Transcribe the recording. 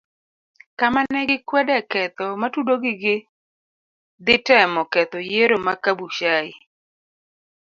Kamane gikwede ketho matudogi gi dhi temo ketho yiero ma kabuchai.